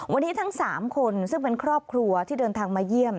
วันนี้ทั้ง๓คนซึ่งเป็นครอบครัวที่เดินทางมาเยี่ยม